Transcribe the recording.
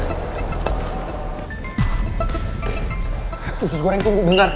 kursus goreng tuh gue dengar